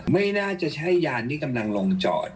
ไม่น่าจะใช่ยานที่กำลังลงจอด